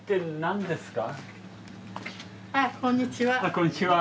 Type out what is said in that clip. こんにちは。